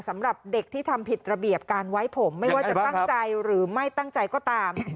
สำหรับเด็กที่ทำผิดระเบียบการไว้ผมไม่ว่าจะตั้งใจหรือไม่ตั้งใจก็ตาม